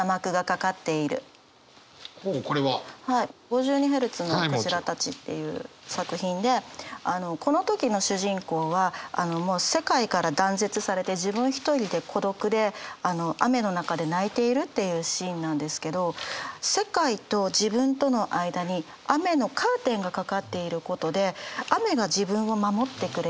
「５２ヘルツのクジラたち」っていう作品でこの時の主人公はもう世界から断絶されて自分一人で孤独で雨の中で泣いているっていうシーンなんですけど世界と自分との間に雨のカーテンがかかっていることで雨が自分を守ってくれている。